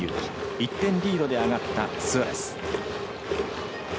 １点リードで上がったスアレス。